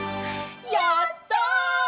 やった！